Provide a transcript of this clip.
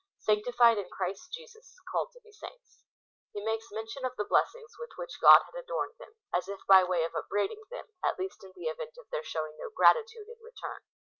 Sanctified in Christ Jesus, called to he saints. He makes mention of the blessings with which God had adorned them, as if by way of upbraiding them, at least in the event of their showing no gratitude in return.